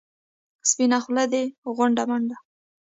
سپینه خوله دې غونډه منډه.